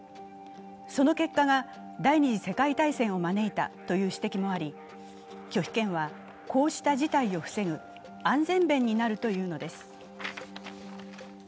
その結果が第二次世界大戦を招いたという指摘もあり拒否権は、こうした事態を防ぐ安全弁になるというのです。